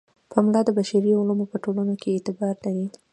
پملا د بشري علومو په ټولنو کې اعتبار لري.